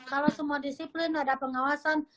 kalau semua disiplin ada pengawasan